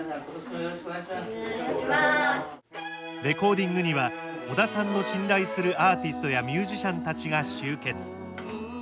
レコーディングには小田さんの信頼するアーティストやミュージシャンたちが集結。